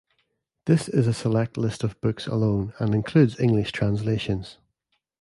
This is a select list of books alone and includes English translations.